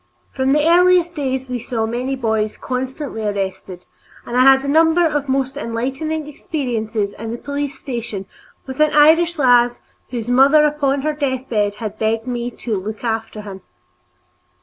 From our earliest days we saw many boys constantly arrested, and I had a number of most enlightening experiences in the police station with an Irish lad whose mother upon her deathbed had begged me "to look after him."